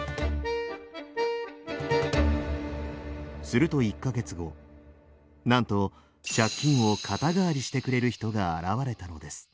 すると１か月後なんと借金を肩代わりしてくれる人が現れたのです。